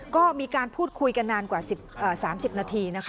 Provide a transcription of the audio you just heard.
ก็มีการพูดคุยกันนานกว่า๓๐นาทีนะคะ